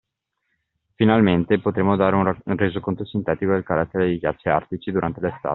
Finalmente, potremo dare un resoconto sintetico del carattere dei ghiacci artici durante l’estate.